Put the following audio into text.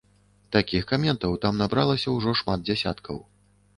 Такіх каментаў там набралася ўжо шмат дзясяткаў.